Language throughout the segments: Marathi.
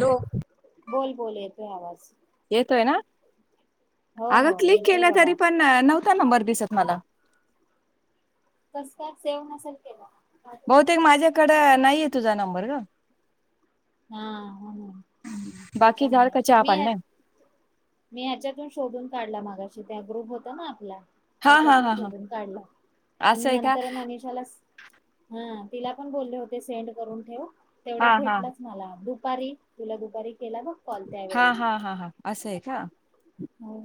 हॅलो! बोल बोल येतोय, आवाज. येतोय ना? हो अगं हो क्लिक येतोय केलं बाबा तरी, पण नव्हता नंबर दिसत. मला कसं काय? सेव्ह नसेल केला. बहुतेक माझ्याकडं नाही तुझा नंबर गं. हा हा त्याच्या बाकी झालं मुळे का चहा मी पाणी ह्या नाही मी ह्याच्यातून शोधून काढला मगाशी. तु त्या ग्रुप होता, ना आपला हा हा त्याच्यातून हा हा शोधून काढला आणि असं आहे का नंतर मनीषाला स हा तिला पण बोलले होते सेंड करून ठेव. हा तेवढ्यात हा भेटलाच मला दुपारी तुला दुपारी केला बघ कॉल हा त्यावेळी हा हा हा असय का. हो.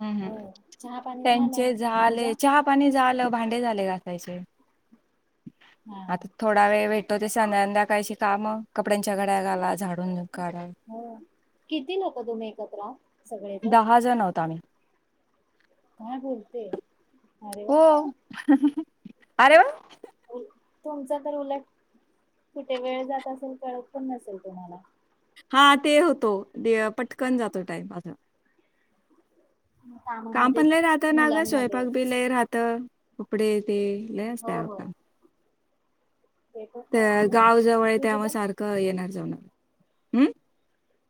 हं हं हो चहा पाणी झाला त्यांचे तुझा झाले चहा पाणी झाल्यावर भांडे झाले घासायचे. हा आता थोडा वेळ भेटतो ते साध्यांकाळी शि काम कपड्यांच्या घड्या घाला झाडून काढा हम किती लोक तुम्ही एकत्र आहात सगळेजण दहा जण आहोत आम्ही. काय बोलते. अरे वा हो. अरे वा! तुमच तर उलट कुठे वेळ जात असेल कळत पण नसेल तुम्हाला. हा ते होतो पटकन जातो टाईम बघा काम पण लय कामामध्येच राहतं ना गं, मुलांमध्ये स्वयंपाक बी लय राहतं. कपडे ते लय असतं हो अहो हो काम. पण ते आहेच ना गाव जवळ आहे तुझी त्यामुळं पण सारखं येणार [unintelligible] हम्म?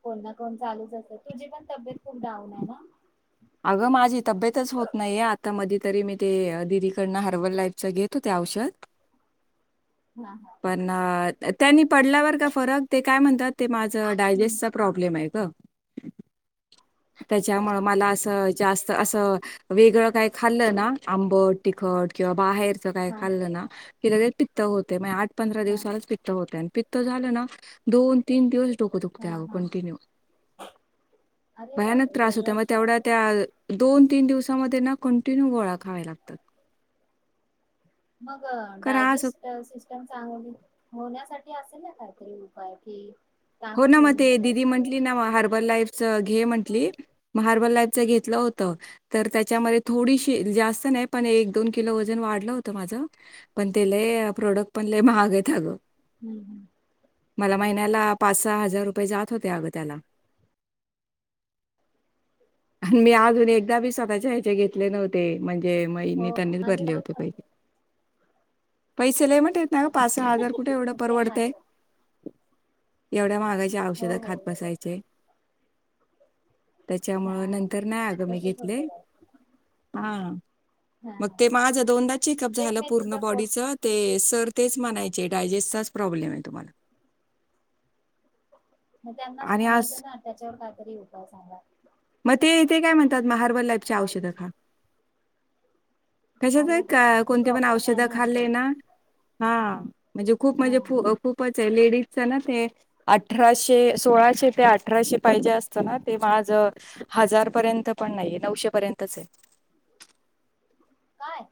कोण ना कोण चालूच असते, तुझी पण तब्येत खूप डाऊन आहे ना? अगं माझी तब्येतच होत नाहीये आता मधी तरी मी ते दिदीकडनं हर्बल लाईफच घेत होते औषध. हा हा पण अ त्यांनी पडल्यावर का फरक ते काय म्हणतात? ते मा हम्म डायजेस्टचा प्रॉब्लेम आहे का. त्याच्यामुळे मला अस. जास्त अस वेगळं काही खाल्लं ना आंबट तिखट किंवा बाहेर ति काय हा खाल्लं ना कि लगे पित्त होतंय मग पंधरा हा दिवसालाच पित्त होत आणि पित. झालं ना दोन तीन दिवस डोकं हा दुखतंय हा कंटिन्यू अरे भयानक बापरे त्रास होत मग वेगळंच काय तेवढ्या तर त्या दोन तीन दिवस समध्ये ना कंटिन्यू गोळ्या खावा लागतात. मग कारण आज डायजेस्ट सिस्टम चांगली होण्यासाठी असेल ना काहीतरी उपाय की हो ना म ते दिदी म्हणली ना मग हर्बल लाईफ घे म्हंटली हार्बल लाईपच घेतलं होत. तर त्याच्यामध्ये थोडीशी जास्त नाही पण एक दोन किलो वजन वाढलं. होतं माझं पण ते लय प्रोडक्ट लय पण महाग आहेत अगं. हम्म हम्म मला महिन्याला पाच सहा हजार रुपये जात हो अग त्याला मी अजून एकदाही स्वतः ह्याचे घेतले नव्हते. जे मईनी हो त्यांनीच माझे भरले होते झालेत बाई. ना पैसे लय मटे आहेत. ना गं येत ना पाच सहा हजार कुठे एवढं सेम परवडतय. माझे एवढ्या महाग औषध हो हो खात बसायचे. त्याच्यामुळ हा नंतर नाही अगं मी तसच घेतले होतय ह हा मग हा ते माझ दोनदा चेकअप तेच झालं नाही पूर्ण तुझा फोट बॉडीच ते सर ते म्हणायचे डायजेस्टचा प्रॉब्लेम आहे तुम्हाला मग त्यांनाच आणि आज म्हणायचं ना त्याच्यावर काय. तरी उपाय सांगाल. मग ते ते काय म्हणतात म हार्बल लाईफ चे औषध डायजेस्ट खा अरे कशाच देवा ते कोणते पण प्रॉपर नाही औषधं खाल्ले असं ना हा म्हणजे खूप हा म्हणजे खूपच लेडीजच ना ते अठराशे सोळाशे ते अठराशे पाहिजे. असत ना ते माझं हजार पर्यंत पण नाहीय नऊशे पर्यंतच आहे. काय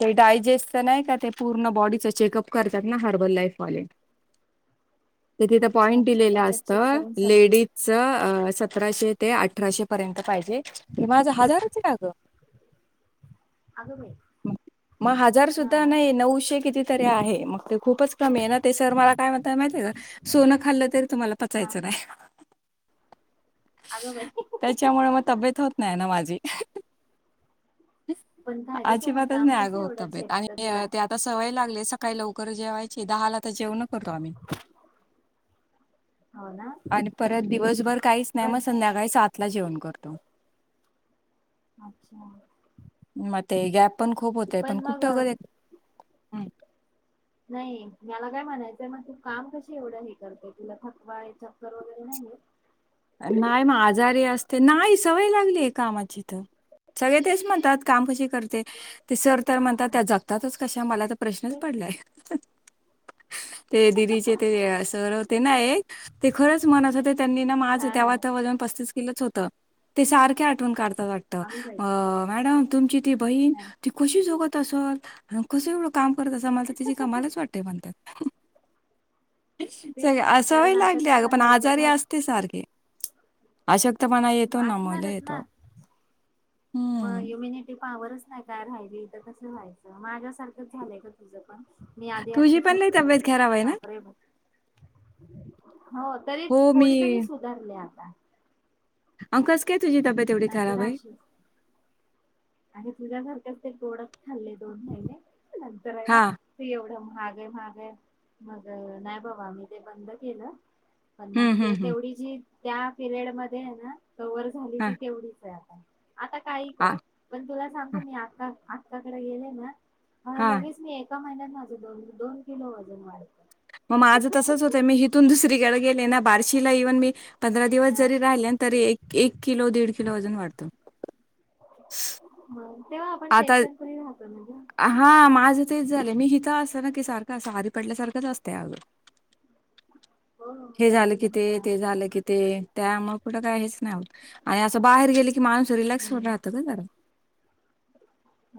ते डायजेस्टच नायका ते पूर्ण बॉडीच चेकअप करतात ना हर्बल लाईफवाले ते तिथं अच्छा पॉइंट अच्छा दिलेलं त्याच्यात असत चेक करून समज लेडीजच सतराशे ते अठराशे पर्यंत. पाहिजे [unintelligible] [unintelligible] अगं बाई मग हजार हा सुद्धा नाही नऊशे किती तरी आहे. मग ते खूपच कमी आहे ना, ते सर मला काय म्हणतात माहिती आहे का सोनं खाल्लं तरी तुम्हाला हा पचायचं नाही. अगं बाई त्याच्यामुळे मग तब्येत होत नाही ना माझी. [unintelligible] पण काय ग तू मग अजिबातच काम नाही अगं कसं होत एवढं तब्येत आणि झेपत तुला ते आता सवय लागले. सकाळी लवकर जेवायची दहाला तर जेवण करतो आम्ही. हो ना आणि परत दिवसभर काहीच नाही पण मग संध्याकाळी सातला जेवण. करतो. अच्छा. मग. ते ग्यप. पण खूप होतय पण कुठं गयेत हूं. नाही मला काय म्हणायचंय मग तू काम कशी एवढं हे करते तुला थकवा चक्कर वगैरे नाही येत. नाही मग आजारी असते, नाही सवय लागली कामाची थ सगळे तेच म्हणतात काम कशी करते ते सर तर म्हणतात त्या जपतातच. कशा मलात प्रश्नच तेच पडलाय. ना ते दिदीचे ते सर होते ना एक ते खरंच मनातं होते त्यांनी ना माझ हा हा तेव्हा त वजन पस्तीस किलो च हो ते सारखे आठवून काढ त वाटत अगं बाई अ मॅडम तुमची ते बहीण हा ती कशी जोगत तसं न कसं एंवढं काम? पर तसा मानसाची जी कामालाच वाटते म्हणतात तेच सग अ ना सवय कारण लागली अग, पण अशक्तपणा येतो आजारी ग असते सारखी. अशक्तपणा येतो ना मला येतो. म हम्म. हुमिनिटी. पावरच नाही काय राहिली त कसं जायचं माझ्यासारखंच झालंय ग तुझं मी आधी तुझी अशीच पण लई होते तब्येत खराब आहे ना? बापरे ब [inaudible] हो तरी हो मी थोडी तरी सुधारल्या [inaudible] अ कस केत. तुझी तब्येत एवढी खराबाई आहे तुझ्यासारख्याच ते तोड आस्त हल्ले दोन महिने नंतर आहे ना हां. ते एवढं मागे, मागे मग नाही बाबा मी ते बंद केलं. पण मग हं, हं, ते हं. तेवढी जी. त्या पिरियड मध्ये आहे ना कवर झाली हां, ती तेवढीच आहे. आता काही कर. हां, पण तुला, सांगू हां, मी आता. आत्याकडे गेले ना. मग हां. लगेच मी एका महिन्यात. माझं दोन, दोन किलो वजन वाढत. मग माझं बारशीला इव्हन मी पंधरा दिवस हा जरी राहिले. तरी एक एक किलो दीड किलो वजन वाढतं. हम. तेव्हा आपण, आता टेन्शन फ्री राहतो ना गं. हां, माझं तेच झाले मी इथं असते. ना की सारखं अस, आजारी पडल्यासारखंच असते आगं. हो हो हे झालं कि कंटिन्यू ते, काम ते काम झालं कि ते त्यामुळे. कुठ काय हेच नाय होत. आणि असं बाहेर गेले की, माणूस रिलॅक्स होऊन हम्म राहतं कणी जरा.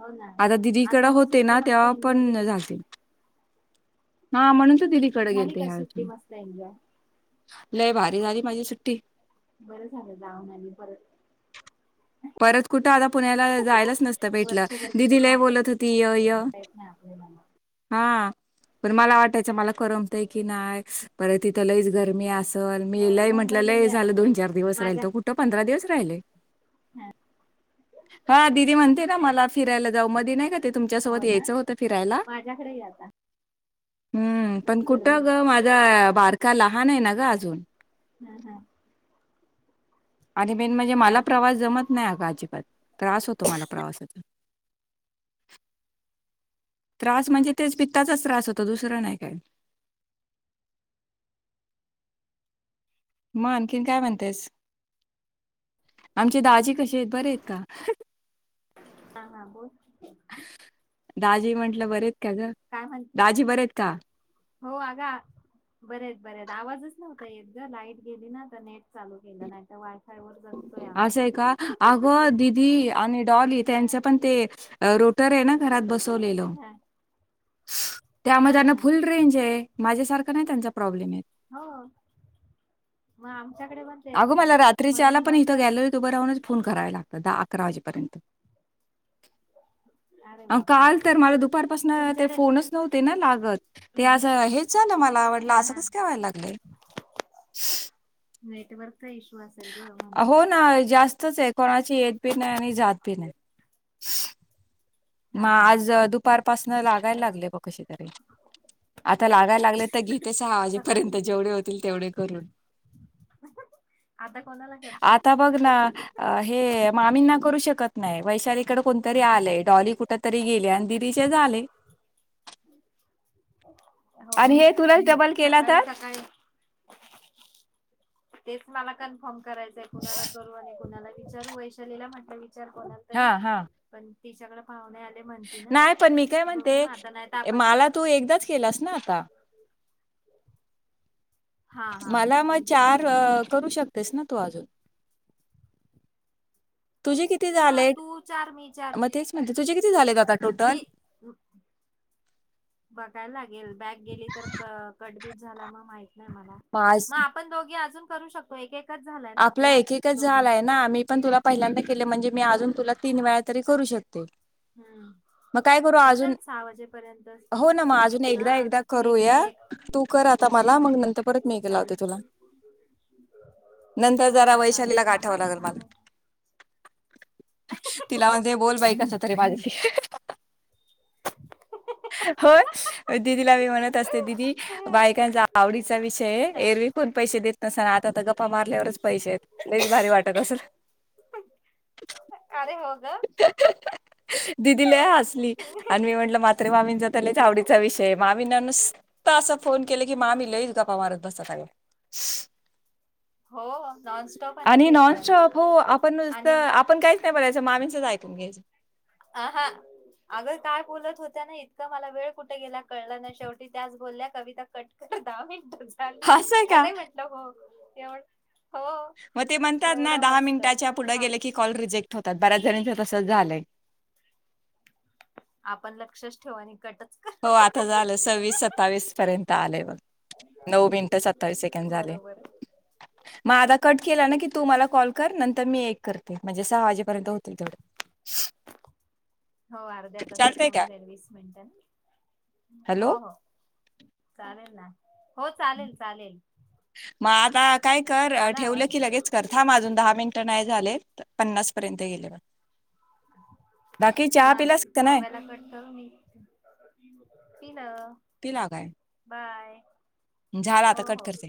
हो ना. आता दिदीकडे आता मग होते सुट्टी ना, मस्त तेव्हा पण एन्जॉय केली. [unintelligible] हा म्हणून, तर दिदीकडे झाली गेलते का ह्या सुट्टी वेळेस मस्त एनजॉय. लय भारी, झाली माझी सुट्टी. बरं झालं, जाऊन आली परत. परत कुठ आता पुण्याला जायला मस्त वर्षभर भेटल्यावर कुठं दीदी लय जाता बोलत होती. येत नाही आपल्याला मग. हां पण मला वाटायचं मला करमतंय की नाही परत तिथं लयच गरमी असे- ल तर मी हो लय म्हटलं मुंबईला लय ये आता झालं दोन-चार दिवस राहिल माझ्या तर कुठं पंधरा दिवस राहिले. हां दिदी म्हण ते ना मला फिरायला जाऊ मधी नाही का ते हो तुमच्यासोबत ना यायचं होतं फिरायला. माझ्याकडे ये आता हम्म हा पण कुठं गं माझा बारका लहान आहे ना गं अजून. हम्म हम्म. आणि मेन म्हणजे मला प्रवास जमत जमत नाही अजिबात त्रास होतो मला. प्रवासाचा. त्रास म्हणजे तेच पित्ताचाच त्रास होतो दुसरं नाही काय. मग आणखीन काय म्हणतेस आमचे दाजी. कशे आहेत बरे आहेत का. हा, हा बोल दाजी म्हंटलं, बरे आहेत. का गं? काय म्हणते दाजी बरे आहेत का? हो अगा बरे आहेत-बरे आहेत. आवाजच नव्हता एत ग लाईट गेली ना, तर नेट चालू केलं ना आता वाय-फाय. वर जगतोय आम्ही असंय का अगं दिदी आणि डॉली हा त्यांचं पण ते रोटर आहे ना घरात बसवलेलं. हा त्यामध्ये हा त्याना हा फुल्ल रेंज आहे. माझ्यासारखं नाही त्यांचा प्रॉबलेम येत. हो मग. आमच्याकडे पण तेच अगं आहे मला रात्रीच्या वेळेला म्हणून पण मस्त इथं गॅलरीत उभं राहूनच फोन करावे लागतं, दहा-अकरा वाजेपर्यंत. अरे अ बापरे काल तर मला दुपार पाासून ते तुमच्याकडे फोनच नव्हते ना लागत, ते आज हेच झालं मला वाटल हा असं हा कसकाय व्हायला लागलंय. नेटवर्क इश्यू असे. हो ना जास्तच आहेत. कोणाची येत बी नाही, आणि जात बी नाही. हा मग हा आज दुपारपासन लागायला बर लागले, ब कशे तरी आता लागायला लागले तर, घेते सहा सकाळ वाजेपर्यंत जेवढे हो तेवढे करून. आता कोणाला करशील आता बघ ना हे मामींना करू शकत नाही वैशाली कडे कोण तरी आलंय डॉली कुठं तरी गेले आणि दिदीचे झाले. हो, आणि हे तुलाच डबल केला सकाळी तर? सकाळी तेच मला क फोन करायचाय कुणाला करू आणि कुणाला विचारू वैशालीला म्ह? विचार कोणाला तरी हां हां. पण तिच्याकडे पाहूने आल नाही पण मी काय म्हणते, नाही तर ये आपण माला तू एकदाच केलास ना आता? हा हा मला मग एकदाच चार केलाय करू शकतेस ना तू आजून? तुझे किती हा झालेत? तू चार मी चार मग तेच म्हणते तुझे किती झालेत आत? मी उ बघाय लागेल बॅक गेली तर क कट पिट झाला म माहीत नई मला, मग आज म आपण दोघी आजून करू शकतो एक एक आपला एक एकच झालाय ना, मी पण तुला पहिल्यांदा केले म्हणजे मी अजून तुला तीन वेळा तरी करू शकते. हम् मग काय करू मग अजून चल सहा वाजेपर्यंतच, हो ना मग अजून हा एकदा एकदा तू एक मी करूया एक तू कर आता मला मग नंतर परत मी एक चाल लावते तुला नंतर जरा वैशालीला गाठाव लागल मला तिला म्हणते मिनिट बोल बाई कस तरी माझ्याशी होय दिदीला मी म्हणत असते, दीदी बायकांचा आवडीचा विषय ये, एरवी अरे कोण पैशे देत नस न आता तर गप्पा मार [unintelligible] पैशे येत, लईच भारी वाटत असल, हो ग दिदि लय हसली आणि मी म्हणलं म्हात्रे मामींचा तर लईच आवडीचा विषय, मामींना नुसत असं फोन केल की मामी लईच गप्पा मारत बसतात अग हो. नॉनस्टॉप आणि ते पण नॉनस्टॉप हो आपण नुसत आणि आपण काहीच नाही बोलायचं, मामीचंच ऐकून घ्यायचं. अह अगं काय बोलत होत्या ना इतक, मला वेळ कुठ गेला कळल नई, शेवटी त्याच बोल्या कविता कट कर दहा मिन ट झाली, असं आहे का? अरे म्हंटलं हो. एवड मग ते म्हणतात ना, दहा मिंनटाच्या पुढ हा गेल की कॉल रिजेक होतात, बऱ्याच जणींच तस झालंय. आपण लक्षच ठेव आणि कट हो आता झालं सव्वीस सत्तावीस पर्यंत आलय बग, नऊ मिनटं सत्तावीस सेकंद झाले, बरोबर मग आता केला ना तेच की तू तर मला कॉल कर नंतर मी ए करते म्हजे सहा वाजे हो अर्ध्या तासात चालतय का? होऊन जाईल वीस मिंट हम् हो हॅलो हो. चालेल ना हो चालेल चालेल मग आता काय कर, आला ठेवलं आवाज की लगेच कर थांब अजून दहा मिनटं नाही झाले पन्नास पर्यंत गेले बघ बाकी चहा हा पिलास का नाही? धहाव्याला कट करून पिलं पिला काय बाय. झाला हो. आता कट हो. करते.